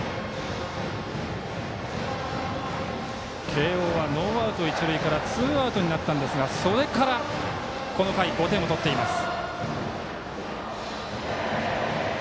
慶応はノーアウト一塁からツーアウトになったんですがそれから、この回５点を取っています。